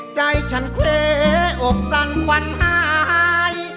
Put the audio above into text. ใจฉันเควอกสั่นควันหาย